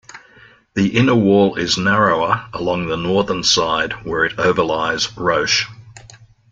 The inner wall is narrower along the northern side where it overlies Roche.